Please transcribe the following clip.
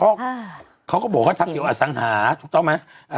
พันละเขาก็บอกว่าทำอยู่อสังหาถูกต้องไหม